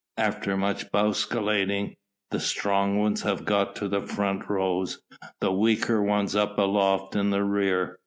After much bousculading the strong ones have got to the front rows, the weaker ones up aloft in the rear.